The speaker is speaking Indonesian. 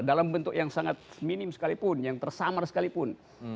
dalam bentuk yang sangat minim sekalipun yang tersamar sekalipun